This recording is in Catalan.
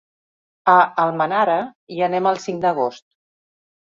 A Almenara hi anem el cinc d'agost.